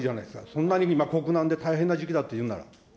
そんなに今、国難で大変な時期だっていうなら。